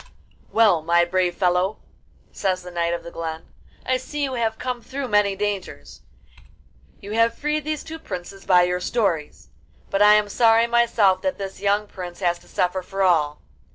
'Well, my brave fellow,' says the Knight of the Glen, 'I see you have come through many dangers: you have freed these two princes by your stories; but I am sorry myself that this young prince has to suffer for all.